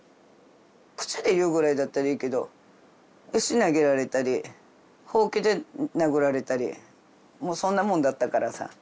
口で言うぐらいだったらいいけど石投げられたりホウキで殴られたりもうそんなもんだったからさ。